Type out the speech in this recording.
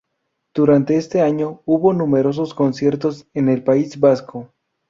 Durante este año, hubo numerosos conciertos en el País Vasco.